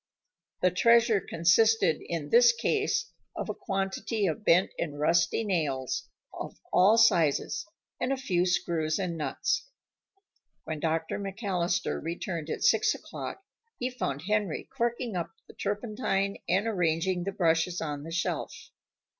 The treasure consisted in this case of a quantity of bent and rusty nails of all sizes, and a few screws and nuts. When Dr. McAllister returned at six o'clock he found Henry corking up the turpentine and arranging the brushes on the shelf.